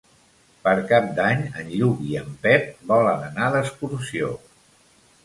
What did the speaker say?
Per Cap d'Any en Lluc i en Pep volen anar d'excursió.